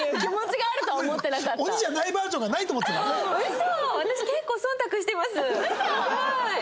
嘘？